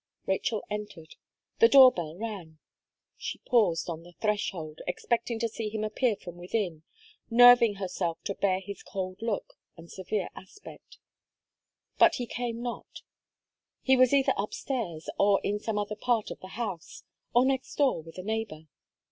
Rachel entered; the door bell rang. She paused on the threshold, expecting to see him appear from within, nerving herself to bear his cold look, and severe aspect; but he came not He was either up stairs, or in some other part of the house, or next door with a neighbour.